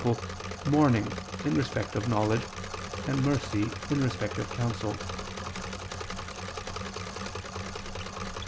mourning in respect of knowledge, and mercy in respect of counsel.